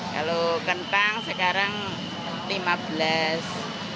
kalau kentang sekarang lima belas